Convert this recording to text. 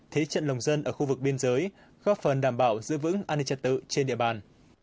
thế trận lòng dân ở khu vực biên giới góp phần đảm bảo giữ vững an ninh trật tự trên địa bàn